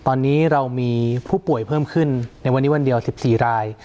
ตอนนี้เรามีผู้ป่วยเพิ่มขึ้นในวันนี้วันเดียว๑๔ราย